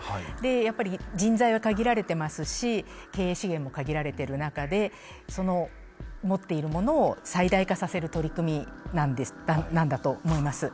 やっぱり人材は限られてますし経営資源も限られてる中でその持っているものを最大化させる取り組みなんだと思います。